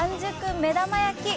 目玉焼き